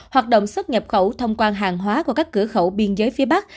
hoạt động xuất nhập khẩu thông quan hàng hóa qua các cửa khẩu biên giới phía bắc